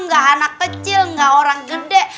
gak anak kecil gak orang gede